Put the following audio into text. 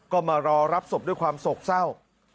ก็มารอรับศพด้วยความโศกเศร้า